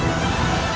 aku akan menang